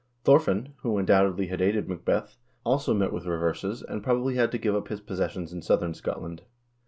238 HISTORY OF THE NORWEGIAN PEOPLE who, undoubtedly, had aided Macbeth, also met with reverses, and probably had to give up his possessions in southern Scotland.